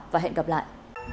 và hẹn gặp lại